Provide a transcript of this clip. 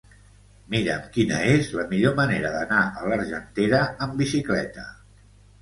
Mira'm quina és la millor manera d'anar a l'Argentera amb bicicleta.